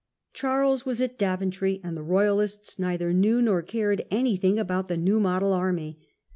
Charles was at Daventry, and the Royalists neither knew nor Naseby. cared anything about the New Model army.